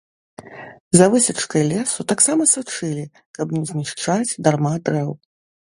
За высечкай лесу таксама сачылі, каб не знішчаць дарма дрэў.